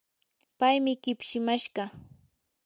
paymi kipshimashqa.